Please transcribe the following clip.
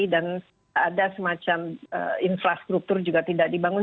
dan ada semacam infrastruktur juga tidak dibangun